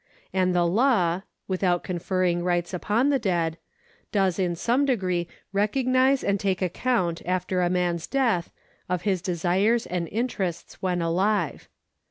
And the law, without conferring rights upon the dead, does in some degree recognise and take account after a man's death of his desires and interests when alive.